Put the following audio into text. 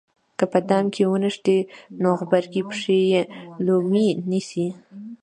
که په دام کې ونښتې نو غبرګې پښې یې لومې نیسي.